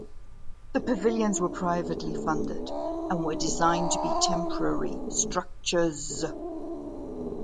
The pavilions were privately funded and were designed to be temporary structures.